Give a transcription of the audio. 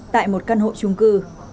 tại một căn hộ chung cư